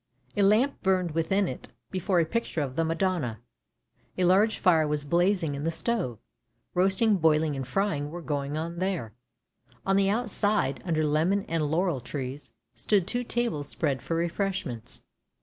A lamp burned within it, before a picture of the Madonna; a large fire was blazing in the stove (roasting, boiling and frying were going on there) ; on the outside, under lemon and laurel trees, stood two tables spread for refreshments.